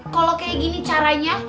kalau kayak gini caranya